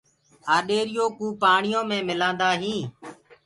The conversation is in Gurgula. آڏيري يو ڪوُ پآڻيو مي مِلآندآ هينٚ۔